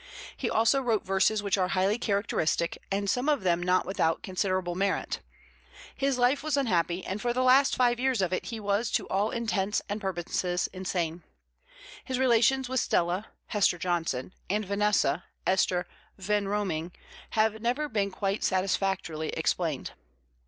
He also wrote verses which are highly characteristic and some of them not without considerable merit. His life was unhappy and for the last five years of it he was to all intents and purposes insane. His relations with Stella (Hester Johnson) and Vanessa (Esther Vanhomrigh) have never been quite satisfactorily explained.